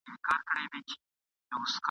ستا تر درشله خامخا راځمه ..